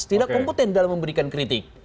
tidak kompeten dalam memberikan kritik